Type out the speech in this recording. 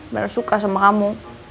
bener suka sama kamu